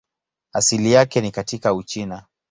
Asili yake ni katika Uchina.